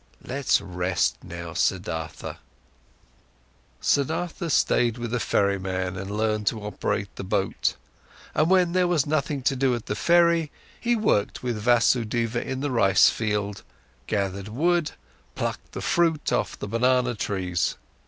Let's rest now, Siddhartha." Siddhartha stayed with the ferryman and learned to operate the boat, and when there was nothing to do at the ferry, he worked with Vasudeva in the rice field, gathered wood, plucked the fruit off the banana trees.